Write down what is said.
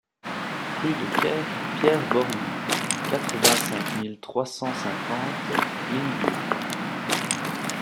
Rue de Ker Pierre Borny, quatre-vingt-cinq mille trois cent cinquante L'Île-d'Yeu